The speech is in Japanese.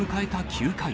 ９回。